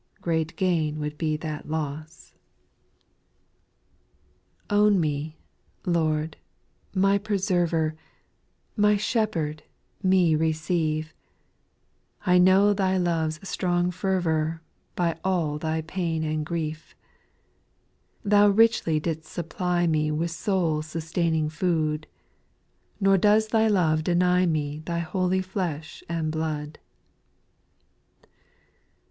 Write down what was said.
Great gain would be tUat lQ^»k, 20 230 SPIRITUAL SONGS. 4. Own me, Lord, my Preserver, My Shepherd, me receive ; I know Thy love's strong fervour By all Thy pain and grief; Thou richly didst supply me With soul sustaining food, Kor docs Thy love deny me Thy holy flesh and blood.